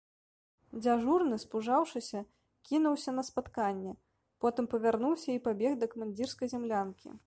Дзяжурны, спужаўшыся, кінуўся на спатканне, потым павярнуўся і пабег да камандзірскай зямлянкі.